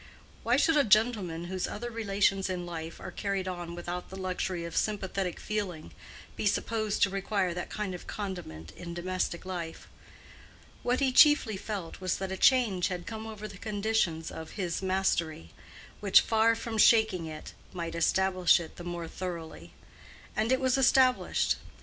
Why should a gentleman whose other relations in life are carried on without the luxury of sympathetic feeling, be supposed to require that kind of condiment in domestic life? What he chiefly felt was that a change had come over the conditions of his mastery, which, far from shaking it, might establish it the more thoroughly. And it was established.